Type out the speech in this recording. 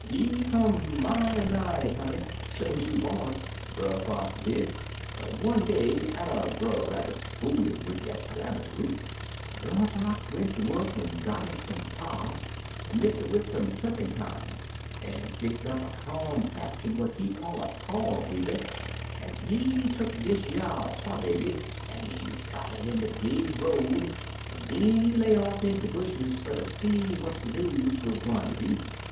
"He come mighty nigh it, honey, sho's you born Brer Fox did. One day atter Brer Rabbit fool 'im wid dat calamus root, Brer Fox went ter wuk en got 'im some tar, en mix it wid some turkentime, en fix up a contrapshun w'at he call a Tar Baby, en he tuck dish yer Tar Baby en he sot 'er in de big road, en den he lay off in de bushes fer to see what de news wuz gwine ter be.